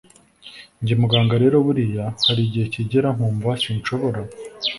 Njye muganga rero buriya hari igihe kigera nkumva sinshobora